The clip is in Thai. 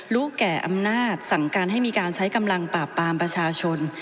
รู้แก่อำนาจสั่งการให้มีการใช้กำลังปราบปามประชาชน